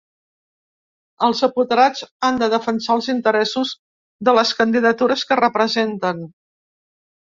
Els apoderats han de defensar els interessos de les candidatures que representen.